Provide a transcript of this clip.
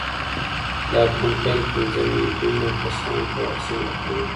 دا کمپاین پنځه میلیون کسانو ته واکسین ورکوي.